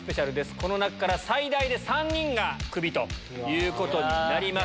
この中から最大で３人がクビということになります。